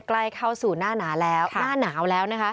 ใกล้เข้าสู่หน้าหนาวแล้ว